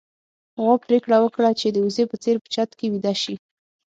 غوا پرېکړه وکړه چې د وزې په څېر په چت کې ويده شي.